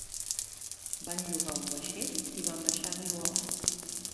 Van llogar un vaixell i van baixar riu avall.